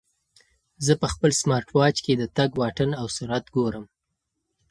زه په خپل سمارټ واچ کې د تګ واټن او سرعت ګورم.